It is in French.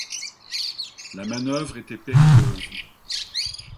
La manœuvre était périlleuse.